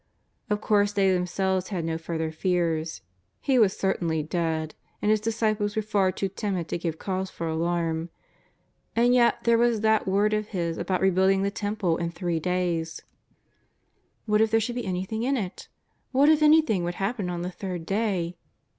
Of course they themselves had no further fears. He was certainly dead, and His disciples were far too timid to give cause for alarm. And yet there was that word of His about rebuilding the Temple in three JESUS OF NAZARETH. 369 days. What if there should be anything in it! What if anything should happen on the third day